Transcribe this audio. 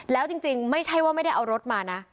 แล้วจริงไม่ใช่ว่าไม่ได้เอารถมานะ